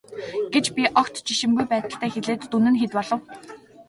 гэж би огт жишимгүй байдалтай хэлээд дүн нь хэд болов.